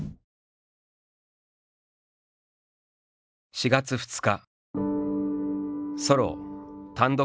「４月２日」